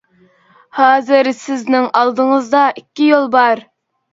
ھازىر سىزنىڭ ئالدىڭىزدا ئىككى يول بار.